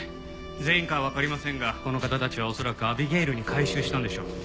全員かはわかりませんがこの方たちは恐らくアビゲイルに改宗したんでしょう。